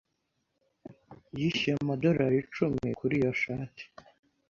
Yishyuye amadorari icumi kuri iyo shati.